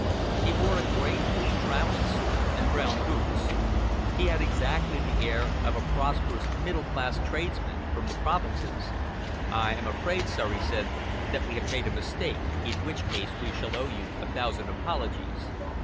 He wore a grey tweed travelling suit, and brown boots. He had exactly the air of a prosperous middle class tradesman from the provinces. "I am afraid, sir," he said, "that we have made a mistake in which case we shall owe you a thousand apologies.